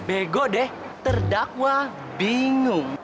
bego deh terdakwa bingung